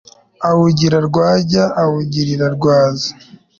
Awugira rwajya awugira rwaza